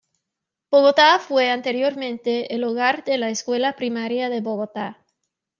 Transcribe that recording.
Bogotá fue anteriormente el hogar de la Escuela Primaria de Bogotá.